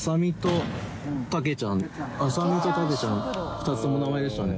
２つとも名前でしたね。